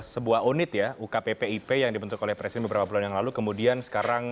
sebuah unit ya ukppip yang dibentuk oleh presiden beberapa bulan yang lalu kemudian sekarang